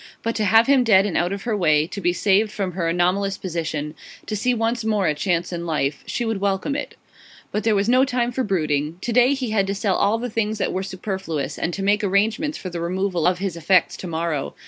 But to have him dead and out of her way; to be saved from her anomalous position; to see once more a chance in life; she would welcome it. But there was no time for brooding. To day he had to sell all the things that were superfluous, and to make arrangements for the removal of his effects to morrow.